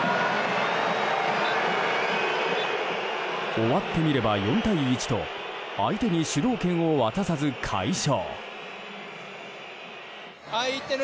終わってみれば、４対１と相手に主導権を渡さず快勝。